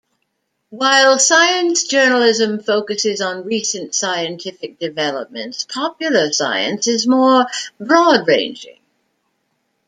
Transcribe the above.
While science journalism focuses on recent scientific developments, popular science is more broad-ranging.